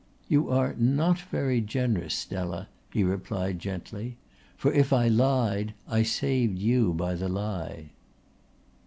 "You are not very generous, Stella," he replied gently. "For if I lied, I saved you by the lie."